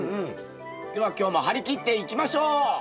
では今日も張り切っていきましょう！